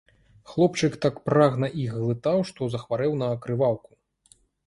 Хлопчык так прагна іх глытаў, што захварэў на крываўку.